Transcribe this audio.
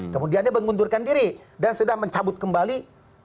kemudian dia mengundurkan diri